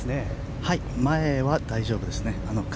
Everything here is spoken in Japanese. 前は大丈夫ですね。